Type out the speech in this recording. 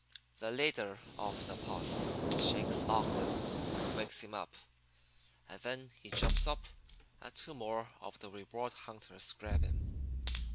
"The leader of the posse shakes Ogden and wakes him up. And then he jumps up, and two more of the reward hunters grab him.